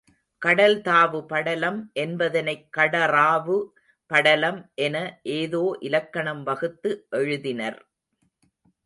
கடல் தாவு படலம் என்பதனைக் கடறாவு படலம் என ஏதோ இலக்கணம் வகுத்து எழுதினர்.